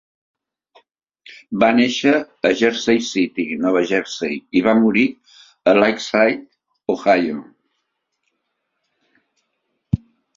Va néixer a Jersey City, Nova Jersey, i va morir a Lakeside, Ohio.